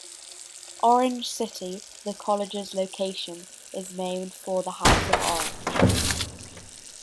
Orange City, the college's location, is named for the House of Orange.